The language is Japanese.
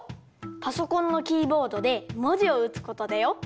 パソコンのキーボードでもじをうつことだよ。